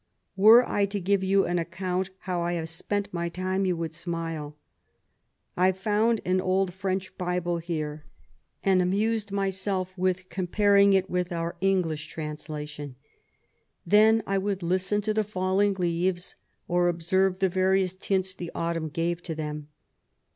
Were I to give you an account how I have spent my time, you would smile. I found an old French Bible here, and amused myself with comparing it with our English translation; then I would listen to the falling leaves, or observe the various tints the autumn gave to them.